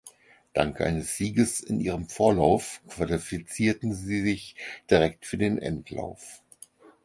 Dank eines Sieges in ihrem Vorlauf qualifizierten sie sich direkt für den Endlauf.